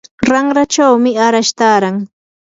ranrakunachawmi arash taaran.